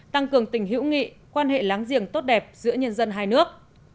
tăng cường tình hữu nghị quan hệ láng giềng tốt đẹp giữa nhân dân hai nước